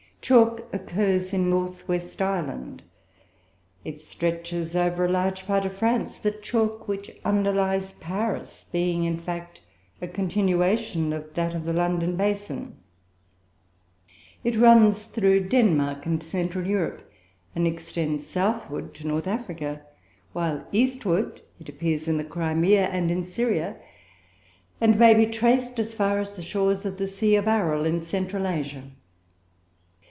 Chalk occurs in north west Ireland; it stretches over a large part of France, the chalk which underlies Paris being, in fact, a continuation of that of the London basin; it runs through Denmark and Central Europe, and extends southward to North Africa; while eastward, it appears in the Crimea and in Syria, and may be traced as far as the shores of the Sea of Aral, in Central Asia.